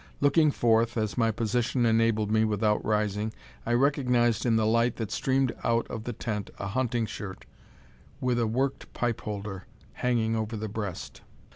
Looking forth, as my position enabled me without rising, I recognised in the light that streamed out of the tent a hunting shirt, with a worked pipe holder hanging over the breast.